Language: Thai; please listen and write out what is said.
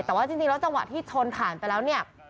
แต่ว่าจริงแล้วจังหวะที่ชนผ่านไปแล้วเนี่ย